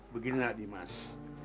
begini nak dimas